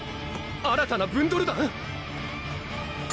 新たなブンドル団⁉